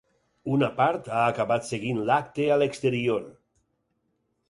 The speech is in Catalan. Una part ha acabat seguint l’acte a l’exterior.